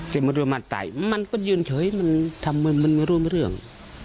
แต่มันรู้ว่ามันตายมันก็ยืนเฉยมันทำอะไรไม่รู้ได้เรื่อง